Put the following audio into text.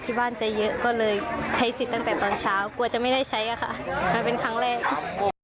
ไปฟังเสียงเจ้าสาคนนี้